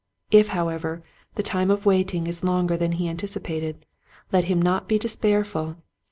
If however the time of waiting is longer than he anticipated let him not be despair ful.